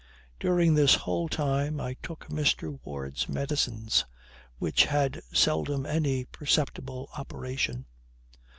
During this whole time I took Mr. Ward's medicines, which had seldom any perceptible operation.